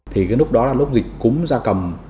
thì cái lúc đó là lúc dịch cúng da cầm